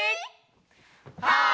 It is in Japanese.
はい！